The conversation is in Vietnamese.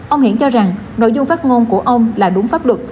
ông hiển cho rằng nội dung phát ngôn của ông là đúng pháp luật